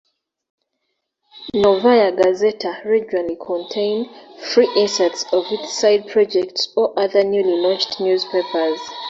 "Novaya Gazeta" regularly contain free inserts of its side-projects or other newly launched newspapers.